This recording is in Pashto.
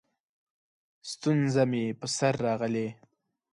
ستونزه مې په سر راغلې؛